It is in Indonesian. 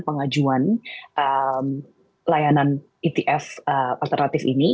pengajuan layanan etf alternatif ini